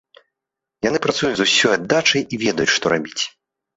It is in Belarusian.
Яны працуюць з усёй аддачай і ведаюць, што рабіць.